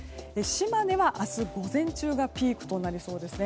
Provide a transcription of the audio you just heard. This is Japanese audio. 島根は明日午前中がピークとなりそうです。